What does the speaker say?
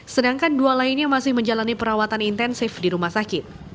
sedangkan dua lainnya masih menjalani perawatan intensif di rumah sakit